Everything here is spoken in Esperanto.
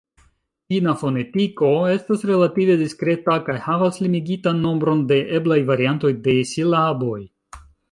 Ĉina fonetiko estas relative diskreta kaj havas limigitan nombron de eblaj variantoj de silaboj.